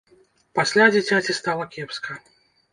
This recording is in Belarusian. Пасля дзіцяці стала кепска.